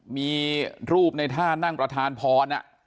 มีรูปในท่านั่งประธานพร